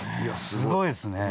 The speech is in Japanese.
すごいですね。